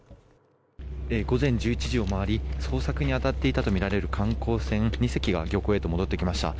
午前１１時を回り捜索に当たっていたとみられる観光船２隻が漁港へと戻ってきました。